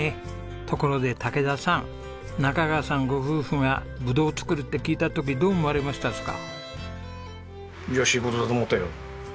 ところで武田さん中川さんご夫婦がブドウを作るって聞いた時どう思われましたですか？